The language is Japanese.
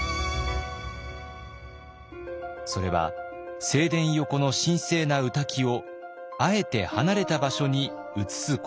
それは正殿横の神聖な御嶽をあえて離れた場所に移すことでした。